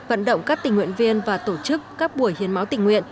vận động các tình nguyện viên và tổ chức các buổi hiến máu tình nguyện